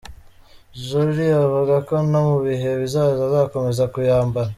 Jorie avuga ko no mu bihe bizaza azakomeza kuyambara.